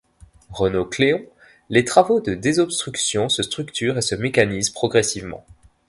Renault-Cléon, les travaux de désobstruction se structurent et se mécanisent progressivement.